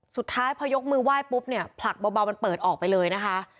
สุดท้ายพอยกมือไหว้ปุ๊บเนี่ยผลักเบามันเปิดออกไปเลยนะคะ